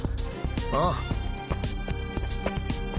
ああ。